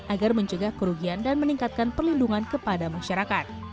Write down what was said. agar mencegah kerugian dan meningkatkan perlindungan kepada masyarakat